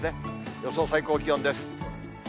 予想最高気温です。